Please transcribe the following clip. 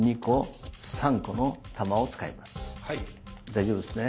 大丈夫ですね。